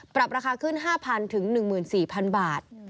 ปรับราคาขึ้น๕๐๐๑๔๐๐บาท